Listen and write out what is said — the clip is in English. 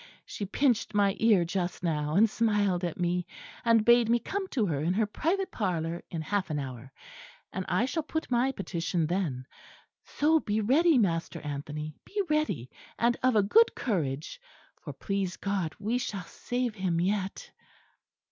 She pinched my ear just now, and smiled at me, and bade me come to her in her private parlour in half an hour; and I shall put my petition then; so be ready, Master Anthony, be ready and of a good courage; for, please God, we shall save him yet."